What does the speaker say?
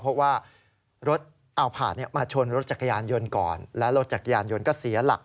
เพราะว่ารถเอาผาดมาชนรถจักรยานยนต์ก่อนและรถจักรยานยนต์ก็เสียหลัก